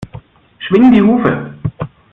Schwing die Hufe!